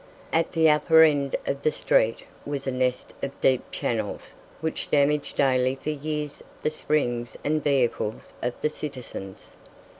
At the upper end of the street was a nest of deep channels which damaged daily for years the springs and vehicles of the citizens.